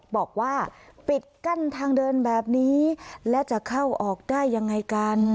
บอกว่าปิดกั้นทางเดินแบบนี้และจะเข้าออกได้ยังไงกัน